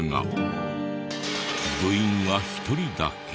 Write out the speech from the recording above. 部員は１人だけ。